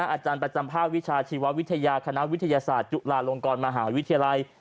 อาจารย์ประจำภาควิชาชีววิทยาคณะวิทยาศาสตร์จุฬาลงกรมหาวิทยาลัย